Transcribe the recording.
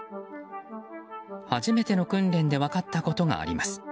初めての訓練で分かったことがあります。